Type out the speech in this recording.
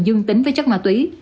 dưng tính với chất ma túy